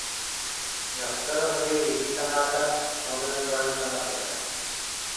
Дьахтар ону бэлиэтии санаата, ол гынан баран саҥарбата